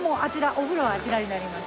お風呂はあちらになります。